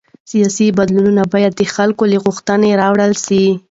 سیاسي بدلون باید د خلکو له غوښتنو راولاړ شي